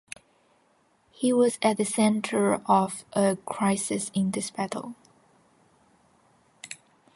He was at the centre of a crisis in this battle.